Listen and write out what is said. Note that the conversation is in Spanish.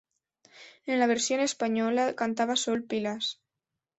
En la versión española cantaba Sol Pilas.